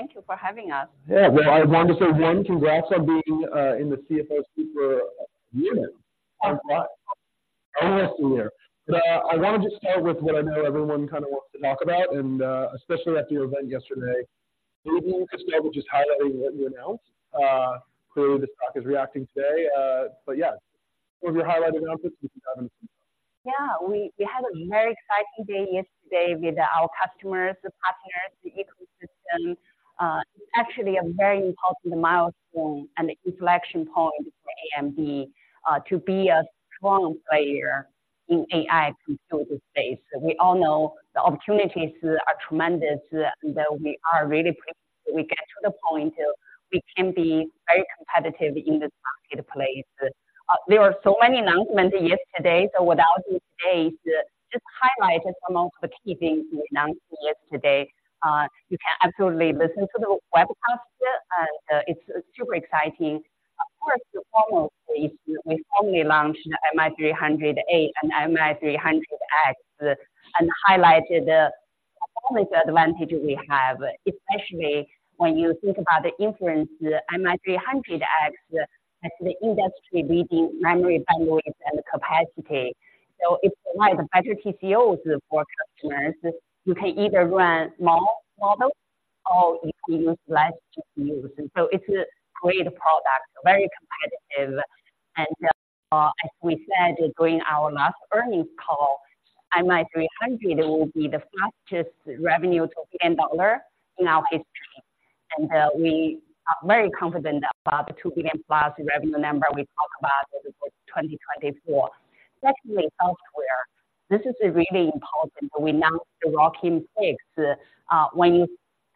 Thank you for having us. Yeah, well, I want to say, one, congrats on being in the CFO seat for a year now. Almost a year. But I want to just start with what I know everyone kind of wants to talk about, and especially after your event yesterday. Maybe you could start with just highlighting what you announced. Clearly, the stock is reacting today, but yeah. What was your highlight announcement you can dive into? Yeah, we had a very exciting day yesterday with our customers, the partners, the ecosystem. It's actually a very important milestone and inflection point for AMD to be a strong player in AI computer space. We all know the opportunities are tremendous, and we are really pleased that we get to the point where we can be very competitive in this marketplace. There were so many announcements yesterday, so what I'll do today is just highlight some of the key things we announced yesterday. You can absolutely listen to the webcast, and it's super exciting. Of course, we formally launched MI300A and MI300X, and highlighted the performance advantage we have, especially when you think about the inference. MI300X has the industry-leading memory bandwidth and capacity. So it provides a better TCO for customers. You can either run small models or you can use less GPUs. And so it's a great product, very competitive, and, as we said during our last earnings call, MI300 will be the fastest revenue to $1 billion in our history. And, we are very confident about the $2 billion+ revenue number we talked about for 2024. Secondly, software. This is really important. We announced ROCm 6. When you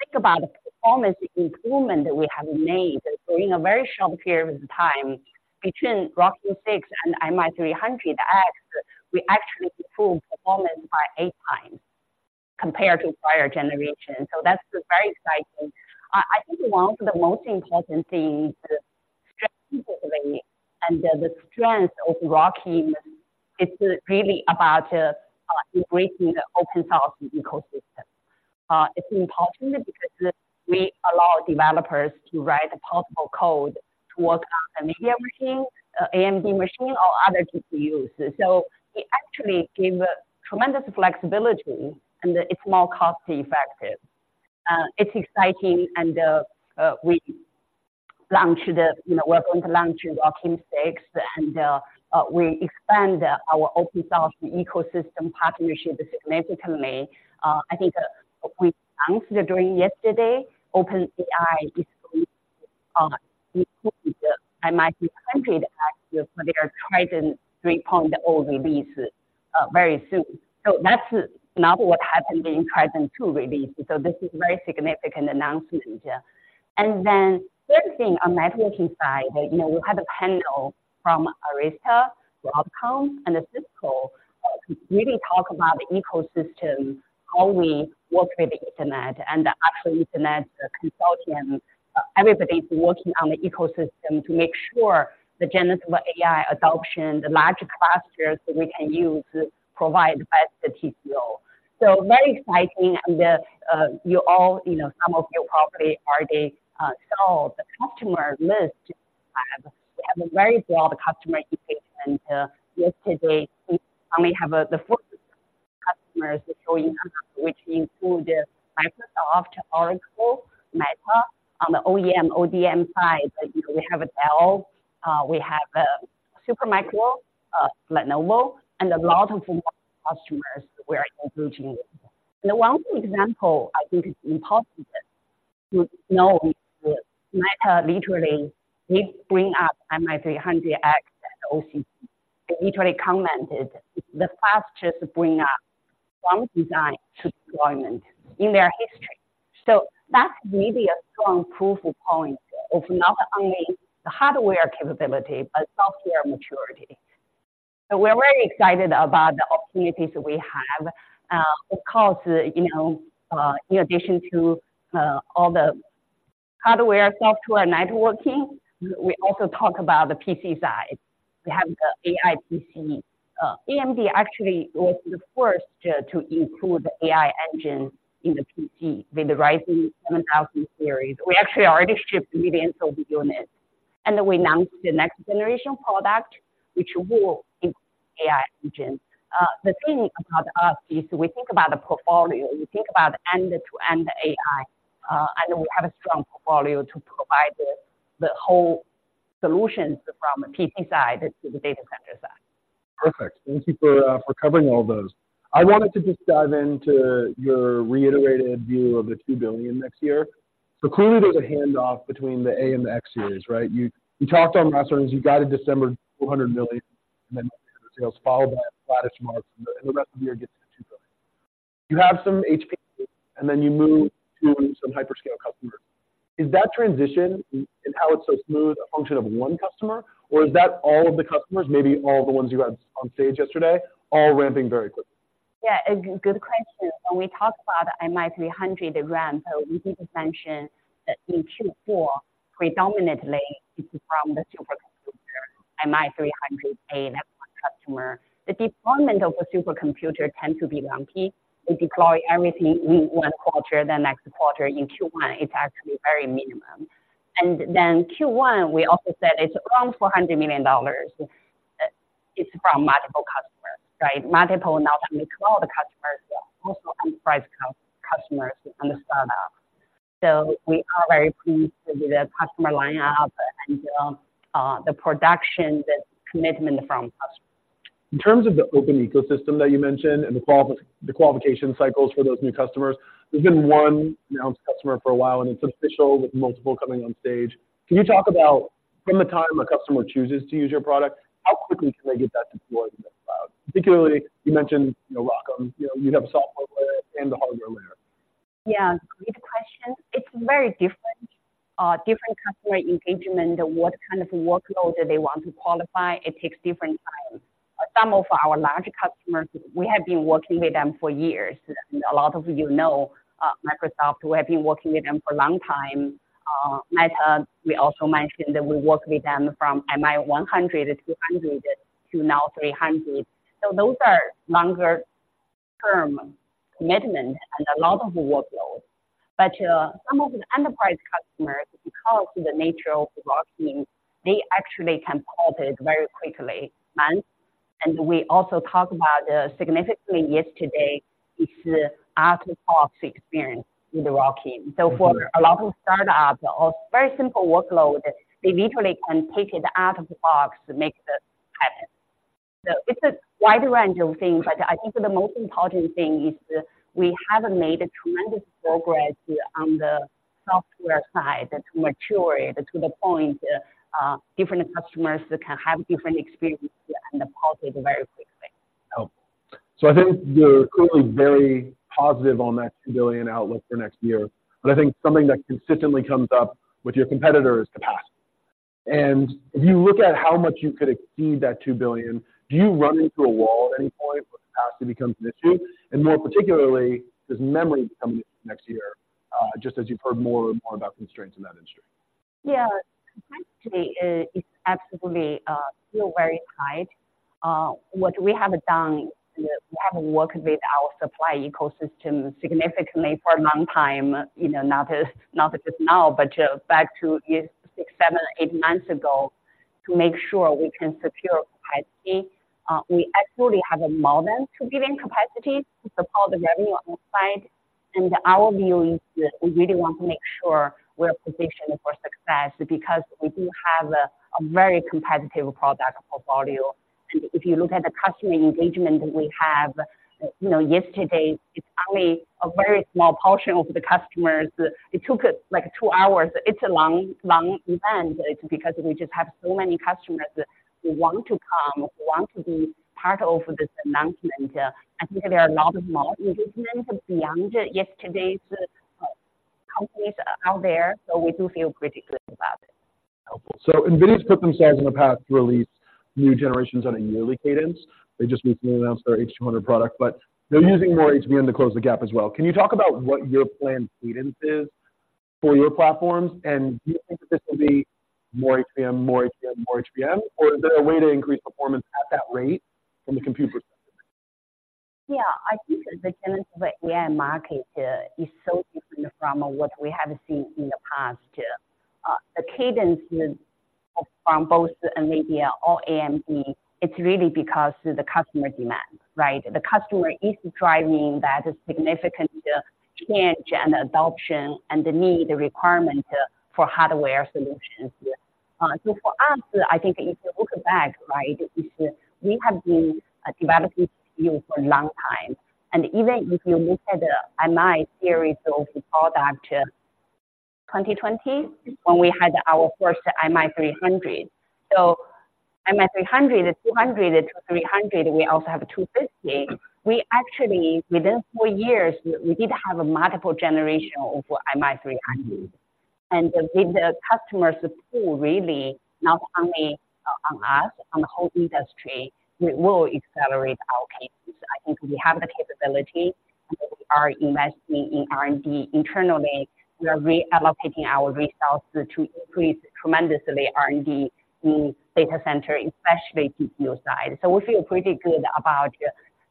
think about the performance improvement that we have made during a very short period of time between ROCm 6 and MI300X, we actually improved performance by 8 times compared to prior generations. So that's very exciting. I think one of the most important things, strategically, and the strength of ROCm, is really about, embracing the open source ecosystem. It's important because we allow developers to write portable code to work on an AMD machine, AMD machine, or other GPUs. So we actually give tremendous flexibility, and it's more cost effective. It's exciting, and you know, we're going to launch ROCm 6, and we expand our open source ecosystem partnership significantly. I think we announced during yesterday. OpenAI is going to include the MI300X for their Triton 3.0 release very soon. So that's not what happened in Triton 2 release, so this is a very significant announcement. And then third thing, on networking side, you know, we had a panel from Arista, Broadcom, and Cisco to really talk about the ecosystem, how we work with the internet and the Ultra Ethernet Consortium. Everybody's working on the ecosystem to make sure the generative AI adoption, the large clusters that we can use, provide best TCO. So very exciting, and, you all, you know, some of you probably already saw the customer list we have. We have a very broad customer engagement yesterday, and we have the full customers showing up, which include Microsoft, Oracle, Meta. On the OEM, ODM side, you know, we have Dell, we have Supermicro, Lenovo, and a lot of more customers we're engaging with. And one example I think is important to know is, Meta literally did bring up MI300X and OCP, and literally commented, "It's the fastest bring up from design to deployment in their history." So that's really a strong proof point of not only the hardware capability, but software maturity. So we're very excited about the opportunities we have. Of course, you know, in addition to all the hardware, software, networking, we also talk about the PC side. We have the AI PC. AMD actually was the first to include the AI engine in the PC with the Ryzen 7000 series. We actually already shipped millions of units, and we announced the next generation product, which will include AI engine. The thing about us is, we think about the portfolio, we think about end-to-end AI, and we have a strong portfolio to provide the whole solutions from the PC side to the data center side. Perfect. Thank you for, for covering all those. I wanted to just dive into your reiterated view of the $2 billion next year. So clearly, there's a handoff between the A and the X series, right? You, you talked on last earnings, you guided December, $200 million, and then sales followed by latest remarks, and the rest of the year gets to $2 billion. You have some HP, and then you move to some hyperscale customers. Is that transition and how it's so smooth a function of one customer, or is that all of the customers, maybe all the ones you had on stage yesterday, all ramping very quickly? Yeah, a good question. When we talk about the MI300 ramp, we did mention that in Q4, predominantly it's from the supercomputer MI300A, that one customer. The deployment of a supercomputer tends to be lumpy. We deploy everything in one quarter, the next quarter, in Q1, it's actually very minimum. And then Q1, we also said it's around $400 million. It's from multiple customers, right? Multiple, not only small customers, but also enterprise customers and the startup. So we are very pleased with the customer lineup and the production, the commitment from customers. In terms of the open ecosystem that you mentioned and the qualification cycles for those new customers, there's been one announced customer for a while, and it's official, with multiple coming on stage. Can you talk about from the time a customer chooses to use your product, how quickly can they get that deployed in the cloud? Particularly, you mentioned, you know, ROCm, you know, you have a software layer and the hardware layer. Yeah, great question. It's very different. Different customer engagement, what kind of workload they want to qualify, it takes different times. Some of our larger customers, we have been working with them for years. A lot of you know, Microsoft, we have been working with them for a long time. Meta, we also mentioned that we work with them from MI100 to 200, to now 300. So those are longer term commitment and a lot of workloads. But some of the enterprise customers, because of the nature of the ROCm, they actually can port it very quickly, months. And we also talked about significantly yesterday, it's the out-of-the-box experience with ROCm. Mm-hmm. So for a lot of startups or very simple workload, they literally can take it out of the box to make this happen. So it's a wide range of things, but I think the most important thing is, we have made a tremendous progress on the software side to mature it to the point, different customers can have different experiences and deploy it very quickly. Oh. So I think you're currently very positive on that $2 billion outlook for next year, but I think something that consistently comes up with your competitor is capacity. And if you look at how much you could exceed that $2 billion, do you run into a wall at any point where capacity becomes an issue? And more particularly, does memory become an issue next year, just as you've heard more and more about constraints in that industry? Yeah. Capacity is absolutely still very tight. What we have done is, we have worked with our supply ecosystem significantly for a long time, you know, not just, not just now, but back to six, seven, eight months ago, to make sure we can secure capacity. We actually have more than enough capacity to support the revenue on this side. Our view is that we really want to make sure we're positioned for success, because we do have a very competitive product portfolio. If you look at the customer engagement that we have, you know, yesterday, it's only a very small portion of the customers. It took us, like, two hours. It's a long, long event because we just have so many customers who want to come, want to be part of this announcement. I think there are a lot more engagements beyond yesterday's. Companies are out there, so we do feel pretty good about it. Helpful. So NVIDIA's put themselves on a path to release new generations on a yearly cadence. They just recently announced their H200 product, but they're using more HBM to close the gap as well. Can you talk about what your planned cadence is for your platforms? And do you think that this will be more HBM, more HBM, more HBM, or is there a way to increase performance at that rate from the computer perspective? Yeah, I think the cadence of AI market is so different from what we have seen in the past. The cadence from both NVIDIA or AMD, it's really because of the customer demand, right? The customer is driving that significant change and adoption and the need, the requirement for hardware solutions. So for us, I think if you look back, right, we have been developing GPU for a long time. And even if you look at the MI series of product, 2020, when we had our first MI300. So MI300, 200-300, we also have a 250. We actually, within 4 years, we did have a multiple generation of MI300. And if the customer support really, not only on us, on the whole industry, we will accelerate our cadence. I think we have the capability, and we are investing in R&D internally. We are reallocating our resources to increase tremendously R&D in data center, especially GPU side. We feel pretty good about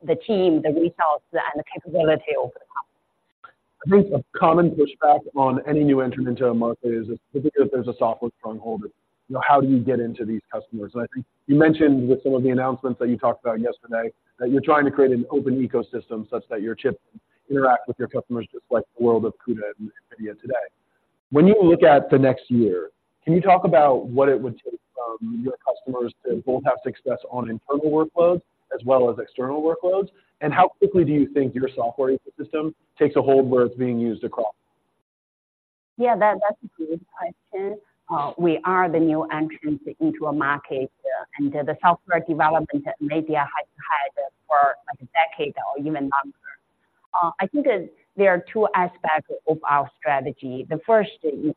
the team, the results, and the capability over the top. I think a common pushback on any new entrant into a market is, especially if there's a software stronghold, you know, how do you get into these customers? And I think you mentioned with some of the announcements that you talked about yesterday, that you're trying to create an open ecosystem such that your chips interact with your customers, just like the world of CUDA and NVIDIA today. When you look at the next year, can you talk about what it would take from your customers to both have success on internal workloads as well as external workloads? And how quickly do you think your software ecosystem takes a hold where it's being used across? Yeah, that, that's a good question. We are the new entrant into a market, and the software development, NVIDIA has had for a decade or even longer. I think there are two aspects of our strategy. The first is,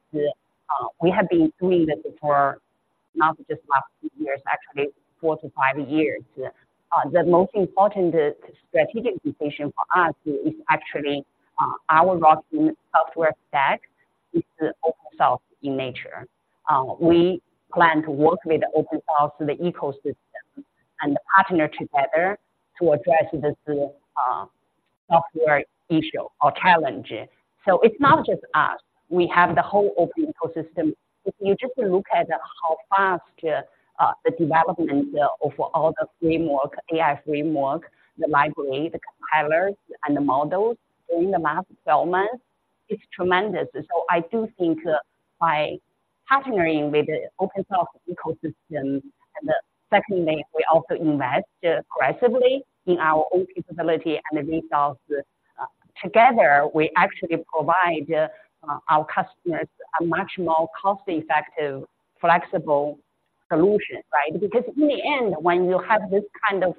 we have been doing this for not just last few years, actually four to five years. The most important strategic decision for us is actually, our ROCm software stack. It's open source in nature. We plan to work with open source, the ecosystem, and partner together to address this, software issue or challenge. So it's not just us, we have the whole open ecosystem. If you just look at how fast, the development of all the framework, AI framework, the library, the compilers, and the models in the last 12 months, it's tremendous. So I do think by partnering with the open source ecosystem, and secondly, we also invest aggressively in our own capability and the results. Together, we actually provide our customers a much more cost-effective, flexible solution, right? Because in the end, when you have this kind of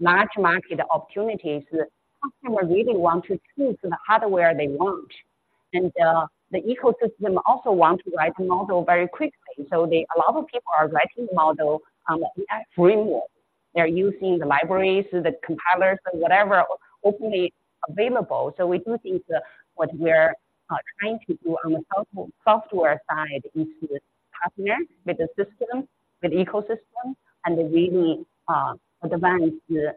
large market opportunities, the customer really want to choose the hardware they want, and the ecosystem also want to write model very quickly. So a lot of people are writing the model on the AI framework. They're using the libraries, the compilers, or whatever, openly available. So we do think what we're trying to do on the software side is to partner with the ecosystem, and really advance the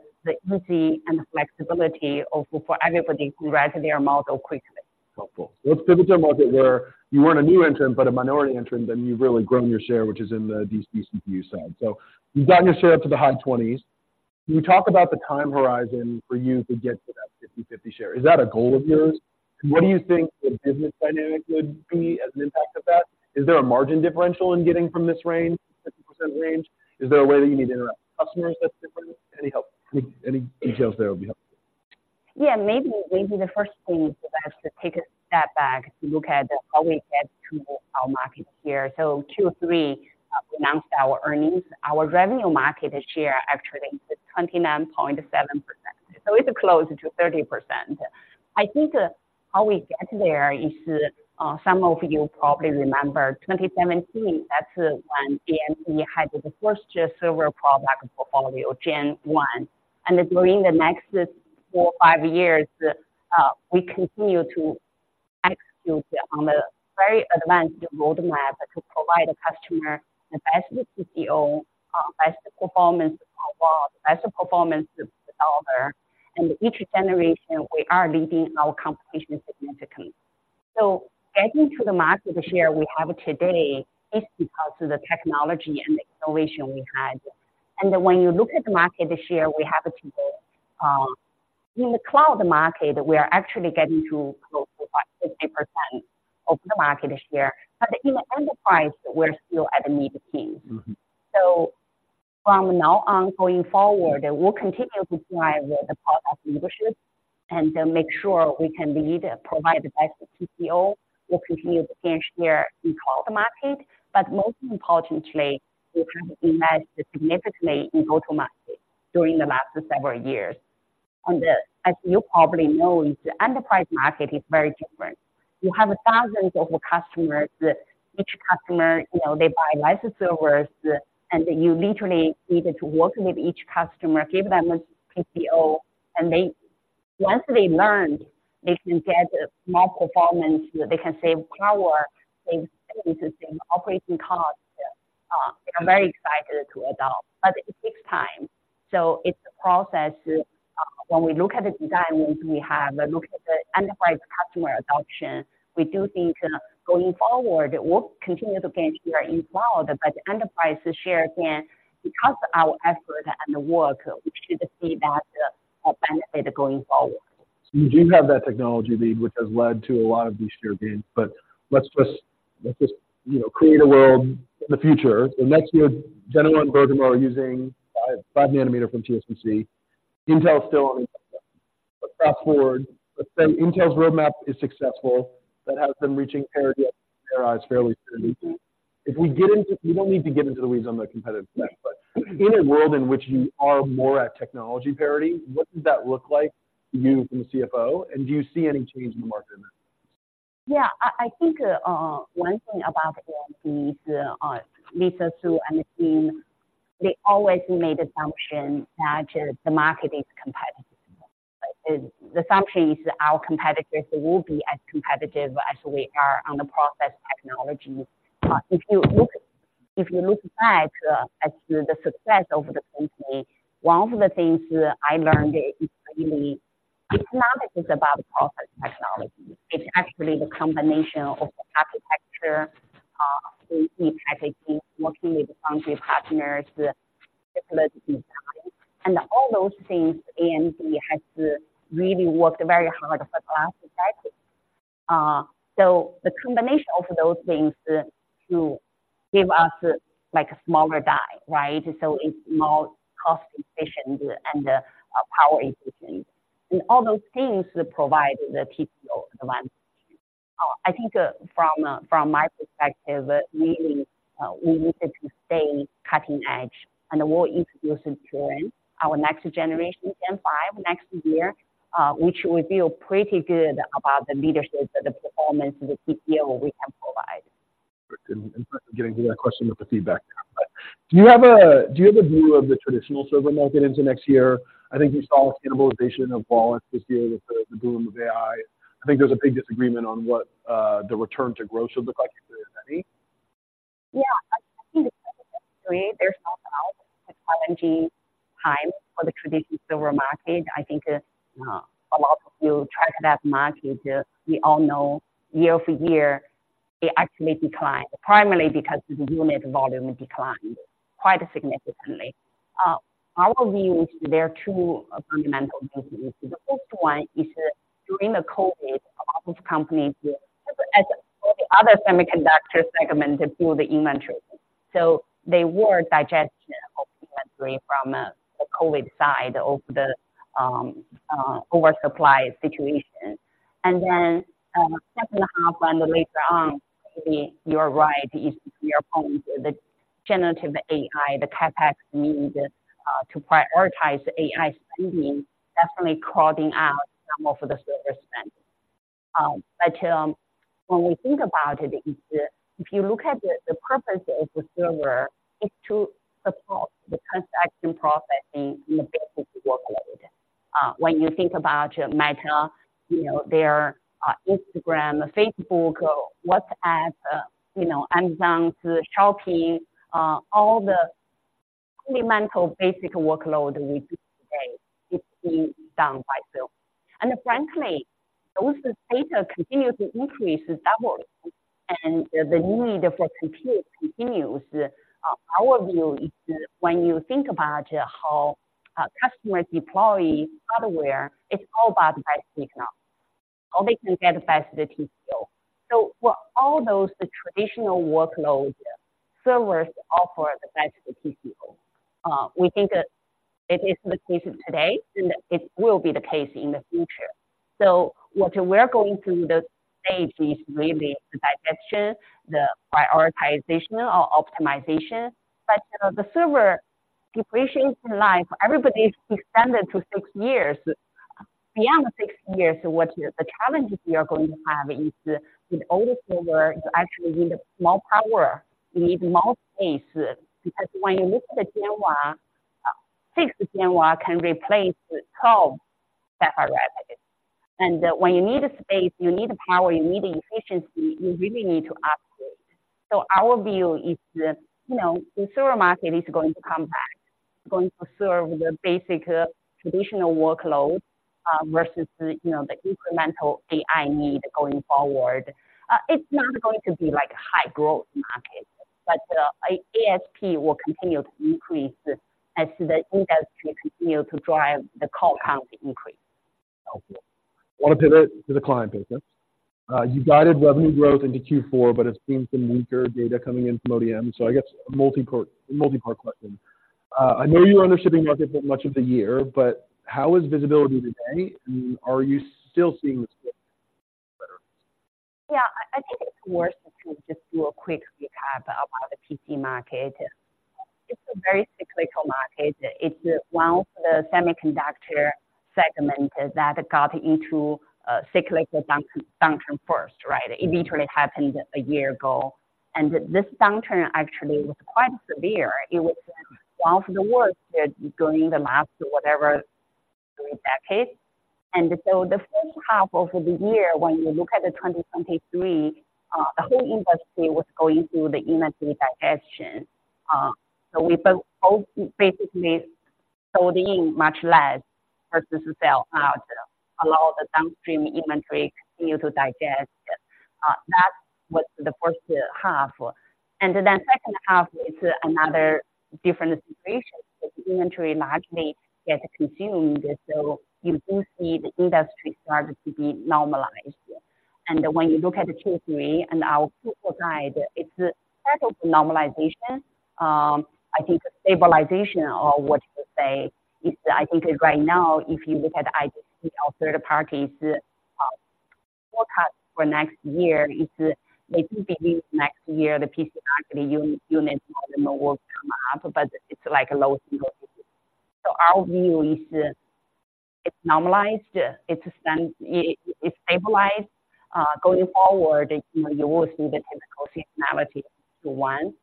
ease and the flexibility for everybody to write their model quickly. Helpful. Let's pivot to a market where you weren't a new entrant, but a minority entrant, and you've really grown your share, which is in the DC/CPU side. So you've gotten your share up to the high 20s. Can you talk about the time horizon for you to get to that 50/50 share? Is that a goal of yours? What do you think the business dynamic would be as an impact of that? Is there a margin differential in getting from this range, 50% range? Is there a way that you need to interact with customers that's different? Any help, any, any details there will be helpful. Yeah, maybe, maybe the first thing is I have to take a step back to look at how we get to our market share. So Q3, announced our earnings, our revenue market share actually is 29.7%, so it's close to 30%. I think how we get there is, some of you probably remember 2017, that's when AMD had the first server product portfolio, Gen 1. And during the next four, five years, we continue to execute on the very advanced roadmap to provide a customer the best TCO, best performance per watt, best performance dollar. And each generation, we are leading our competition significantly. So getting to the market share we have today is because of the technology and the innovation we had. When you look at the market share we have today, in the cloud market, we are actually getting to close to what, 50% of the market share, but in the enterprise, we're still at mid-teens. Mm-hmm. So from now on, going forward, we'll continue to drive the product leadership and make sure we can lead, provide the best TCO. We'll continue to gain share in cloud market, but most importantly, we have invested significantly in auto market during the last several years. As you probably know, the enterprise market is very different. You have thousands of customers, each customer, you know, they buy licensed servers, and you literally needed to work with each customer, give them a TCO, and they once they learn, they can get more performance, they can save power, they save operating costs, they are very excited to adopt, but it takes time. So it's a process. When we look at the dynamics we have, look at the enterprise customer adoption, we do think going forward, we'll continue to gain share in cloud, but enterprise share can, because of our effort and the work, we should see that benefit going forward. You do have that technology lead, which has led to a lot of these share gains. But let's just, let's just, you know, create a world in the future. So next year, Genoa and Bergamo are using 5-nm from TSMC. Intel is still on. But fast-forward, let's say Intel's roadmap is successful. That has them reaching parity with their 18A fairly soon. Mm-hmm. If we get into. you don't need to get into the weeds on the competitive threat, but in a world in which you are more at technology parity, what does that look like to you from the CFO? Do you see any change in the market in that? Yeah, I think one thing about AMD is Lisa Su and the team. They always made assumption that the market is competitive. The assumption is our competitors will be as competitive as we are on the process technology. If you look back at the success of the company, one of the things I learned is really, it's not just about process technology. It's actually the combination of the architecture, the packaging, working with foundry partners, the design, and all those things AMD has really worked very hard over the last decade. So the combination of those things to give us like a smaller die, right? So it's more cost efficient and power efficient. And all those things provide the TCO advantage. I think, from my perspective, really, we needed to stay cutting edge, and we're introducing our next generation, Zen 5, next year, which we feel pretty good about the leadership of the performance of the PC we have- And getting to that question with the feedback. But do you have a view of the traditional server market into next year? I think you saw a cannibalization of wallets this year with the boom of AI. I think there's a big disagreement on what the return to growth should look like, if there is any. Yeah, I think necessarily, there's no challenging time for the traditional server market. I think a lot of you track that market. We all know year-over-year, it actually declined, primarily because the unit volume declined quite significantly. Our view is there are two fundamental business issues. The first one is that during the COVID, a lot of companies, as all the other semiconductor segments, they pulled the inventory. So they were digestion of inventory from the COVID side of the oversupply situation. And then, second half and later on, maybe you're right, is your point, the generative AI, the CapEx need to prioritize the AI spending, definitely crowding out some of the server spend. But when we think about it, if you look at the purpose of the server, it's to support the transaction processing and the basic workload. When you think about Meta, you know, their Instagram, Facebook or WhatsApp, you know, Amazon, Shopping, all the fundamental basic workload we do today is being done by server. And frankly, those data continues to increase, double, and the need for compute continues. Our view is when you think about how customers deploy hardware, it's all about best silicon, how they can get the best TCO. So for all those traditional workloads, servers offer the best TCO. We think that it is the case today, and it will be the case in the future. So what we're going through the stage is really the digestion, the prioritization or optimization. But, you know, the server depreciation in life, everybody's extended to six years. Beyond six years, what the challenges we are going to have is with older server, you actually need more power. You need more space, because when you look at the Gen 1, six Gen 1 can replace 12 graphics. And when you need space, you need power, you need efficiency, you really need to upgrade. So our view is, you know, the server market is going to come back, going to serve the basic traditional workload versus the, you know, the incremental AI need going forward. It's not going to be like a high growth market, but ASP will continue to increase as the industry continue to drive the core count increase. Helpful. I want to pivot to the client business. You guided revenue growth into Q4, but it's been some weaker data coming in from ODM. So I guess multi-part question. I know you were under shipping market for much of the year, but how is visibility today, and are you still seeing the split better? Yeah, I think it's worth to just do a quick recap about the PC market. It's a very cyclical market. It's one of the semiconductor segment that got into a cyclical downturn first, right? It literally happened a year ago, and this downturn actually was quite severe. It was one of the worst during the last, whatever, three decades. So the first half of the year, when you look at 2023, the whole industry was going through the inventory digestion. So we both basically sold in much less versus sell out, allow the downstream inventory continue to digest. That was the first half. Then second half is another different situation. The inventory largely gets consumed, so you do see the industry start to be normalized. And when you look at the Q3 and our full guide, it's part of the normalization. I think stabilization or what you would say is, I think right now, if you look at IDC or third parties, forecast for next year is they do believe next year, the PC market unit volume will come up, but it's like a low single digit. So our view is, it's normalized, it's it stabilized. Going forward, you will see the typical seasonality to one,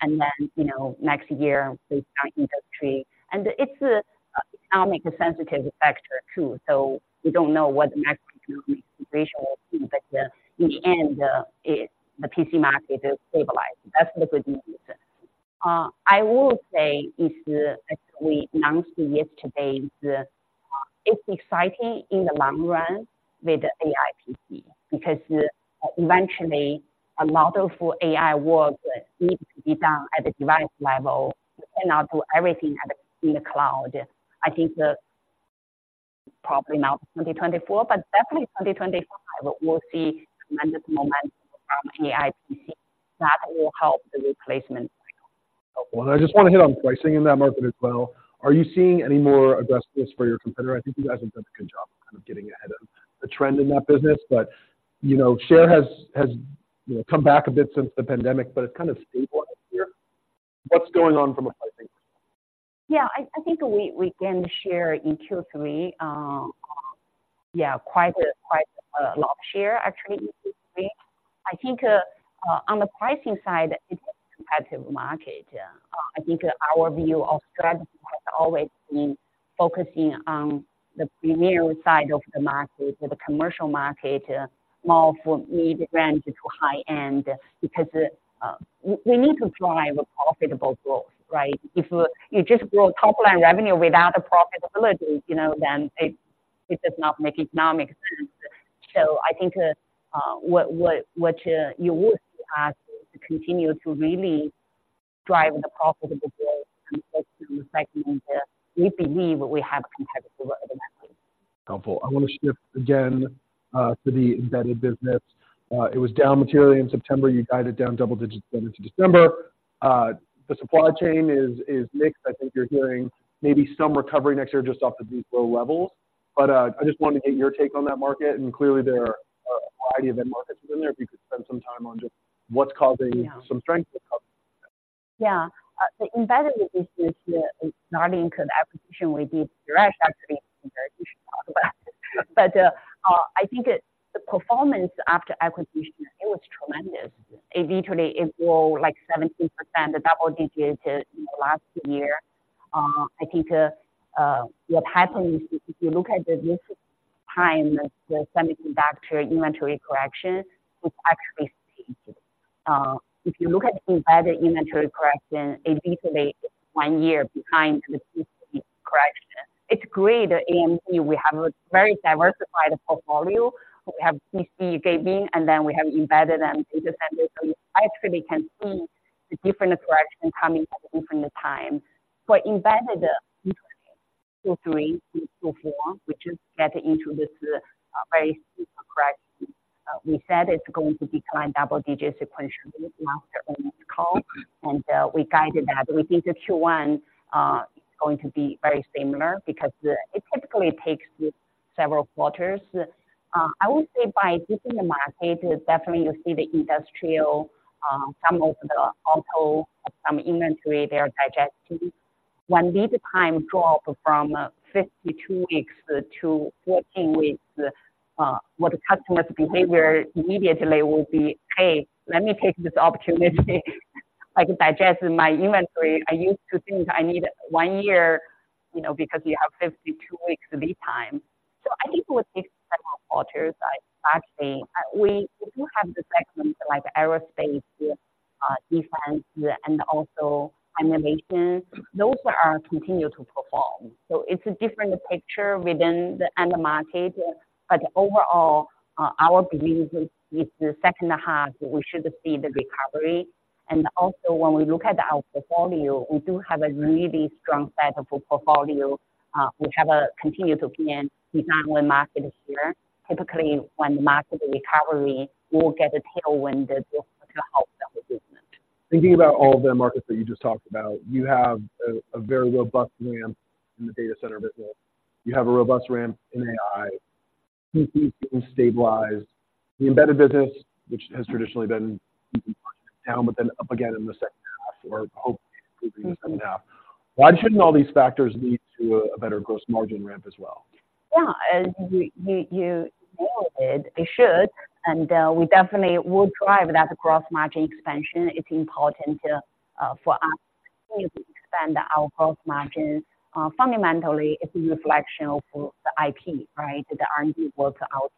and then, you know, next year, the industry. And it's a economic sensitive factor, too. So we don't know what the next economic situation will be, but, in the end, it, the PC market is stabilized. That's the good news. I will say, as we announced yesterday, it's exciting in the long run with the AI PC, because eventually a model for AI work needs to be done at the device level and not do everything at the, in the cloud. I think probably not 2024, but definitely 2025, we'll see tremendous momentum from AI PC that will help the replacement cycle. Well, and I just want to hit on pricing in that market as well. Are you seeing any more aggressiveness for your competitor? I think you guys have done a good job of kind of getting ahead of the trend in that business. But, you know, share has, you know, come back a bit since the pandemic, but it's kind of stabilized here. What's going on from a pricing? Yeah, I think we gained share in Q3. Yeah, quite a lot of share actually in Q3. I think on the pricing side, it's a competitive market. Yeah. I think our view of strategy has always been focusing on the premier side of the market, or the commercial market, more for mid-range to high-end, because we need to drive a profitable growth, right? If you just grow top-line revenue without a profitability, you know, then it does not make economic sense. So I think what you would see us to continue to really drive the profitable growth segment. We believe we have competitive advantage. Helpful. I want to shift again to the embedded business. It was down materially in September. You guided down double digits going into December. The supply chain is, is mixed. I think you're hearing maybe some recovery next year just off of these low levels. But, I just wanted to get your take on that market, and clearly there are a variety of end markets within there. If you could spend some time on just what's causing some strength that comes. Yeah. The embedded business here, it's not into the acquisition we did direct, actually, you should talk about it. But, I think the performance after acquisition, it was tremendous. It literally, it grew like 17%, a double digit in the last year. I think, what happened is, if you look at the this time, the semiconductor inventory correction, it's actually staged. If you look at the embedded inventory correction, it literally is one year behind the PC correction. It's great at AMD, we have a very diversified portfolio. We have PC gaming, and then we have embedded and data center, so you actually can see the different correction coming at a different time. So embedded, Q3 to Q4, we just get into this very super correct. We said it's going to decline double digits sequentially after earnings call, and we guided that. We think the Q1 is going to be very similar because it typically takes several quarters. I would say by looking the market, definitely you see the industrial, some of the auto, some inventory they are digesting. When lead time drop from 52 weeks to 14 weeks, what the customers behavior immediately will be, "Hey, let me take this opportunity. I can digest my inventory. I used to think I need one year," you know, because you have 52 weeks lead time. So I think it would take several quarters, but actually, we do have the segments like aerospace, defense, and also animation. Those are continue to perform. So it's a different picture within the end market, but overall, our belief is, it's the second half, we should see the recovery. Also, when we look at our portfolio, we do have a really strong set of portfolio, which have a continued to gain design win market share. Typically, when the market recovery, we'll get a tailwind to help the business. Thinking about all the markets that you just talked about, you have a very robust ramp in the Data Center business. You have a robust ramp in AI, PC stabilized, the embedded business, which has traditionally been down, but then up again in the second half or hopefully improving the second half. Why shouldn't all these factors lead to a better gross margin ramp as well? Yeah, as you nailed it, it should, and we definitely will drive that gross margin expansion. It's important for us to continue to expand our gross margin. Fundamentally, it's a reflection of the IP, right? The R&D work out.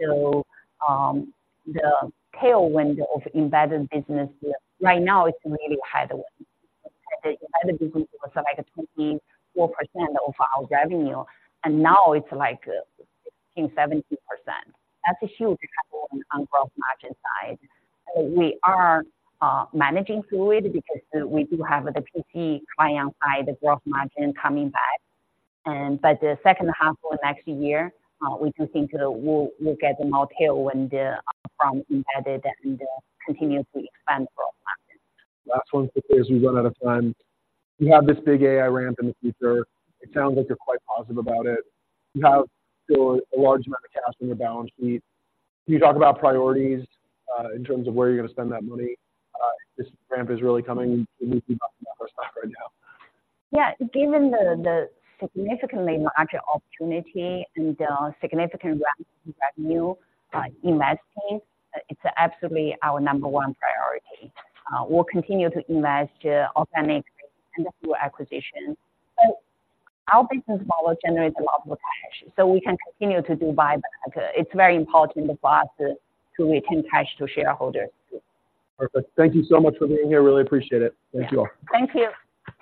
So, the tailwind of embedded business, right now it's really headwind. The embedded business was like 24% of our revenue, and now it's like 16%-17%. That's a huge couple on gross margin side. We are managing through it because we do have the PC client side, the gross margin coming back. And but the second half of next year, we do think we'll get more tailwind from embedded and continuously expand gross margin. Last one, because we've run out of time. You have this big AI ramp in the future. It sounds like you're quite positive about it. You have still a large amount of cash on your balance sheet. Can you talk about priorities, in terms of where you're going to spend that money? This ramp is really coming right now. Yeah. Given the significant market opportunity and significant revenue investing, it's absolutely our number one priority. We'll continue to invest organically and through acquisition. But our business model generates a lot of cash, so we can continue to do buyback. It's very important for us to return cash to shareholders. Perfect. Thank you so much for being here. Really appreciate it. Thank you all. Thank you.